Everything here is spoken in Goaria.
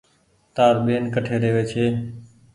تآر ٻين ڪٺي رهي وي ڇي۔